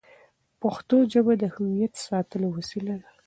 پښتو ژبه د هویت ساتلو وسیله ده.